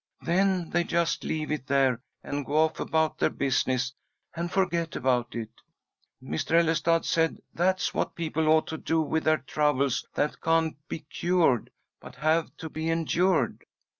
Then they just leave it there and go off about their business, and forget about it. Mr. Ellestad said that's what people ought to do with their troubles that can't be cured, but have to be endured.